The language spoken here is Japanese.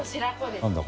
何だ？